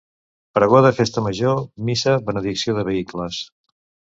Pregó de festa Major, missa, benedicció de vehicles.